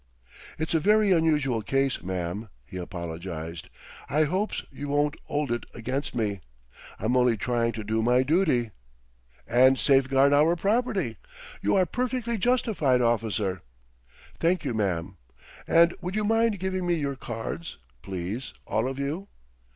"It's a very unusual case, ma'am," he apologized; "I hopes you won't 'old it against me. I'm only trying to do my duty " "And safeguard our property. You are perfectly justified, officer." "Thank you, ma'am. And would you mind giving me your cards, please, all of you?"